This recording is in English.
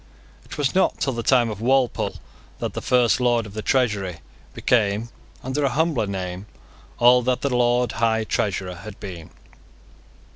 It was not till the time of Walpole that the First Lord of the Treasury became, under a humbler name, all that the Lord High Treasurer had been.